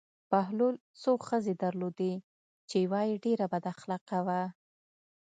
بهلول څو ښځې درلودې چې یوه یې ډېره بد اخلاقه وه.